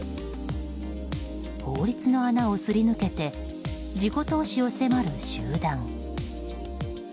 法律の穴をすり抜けて自己投資を迫る集団。